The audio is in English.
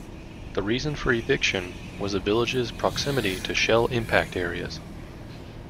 The reason for eviction was the village's proximity to shell impact areas.